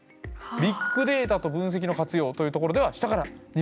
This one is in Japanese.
「ビッグデータと分析の活用」というところでは下から２番目。